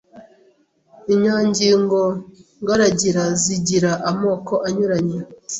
Inyangingo ngaragira zigira amoko anyuranye.